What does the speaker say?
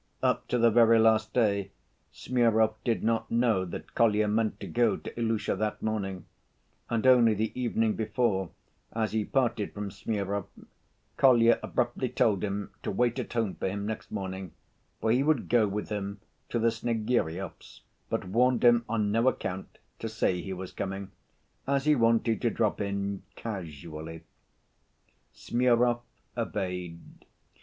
Up to the very last day, Smurov did not know that Kolya meant to go to Ilusha that morning, and only the evening before, as he parted from Smurov, Kolya abruptly told him to wait at home for him next morning, for he would go with him to the Snegiryovs', but warned him on no account to say he was coming, as he wanted to drop in casually. Smurov obeyed.